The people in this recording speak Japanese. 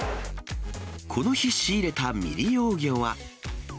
この日仕入れた未利用魚は。